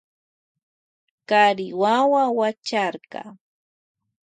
Huacharka wawu kari.